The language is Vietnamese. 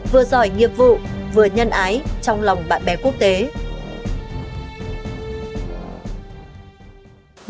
vừa giỏi nghiệp vụ vừa nhân ái trong lòng bạn bè quốc tế